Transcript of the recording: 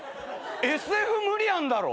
ＳＦ無理あんだろ！